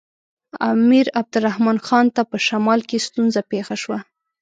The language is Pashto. امیر عبدالرحمن خان ته په شمال کې ستونزه پېښه شوه.